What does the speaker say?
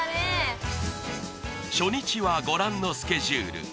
初日はご覧のスケジュール